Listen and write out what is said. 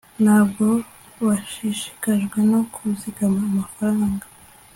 ntabwo bashishikajwe no kuzigama amafaranga